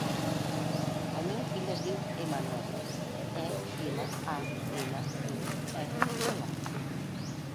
El meu fill es diu Emanuel: e, ema, a, ena, u, e, ela.